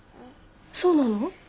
そうなの？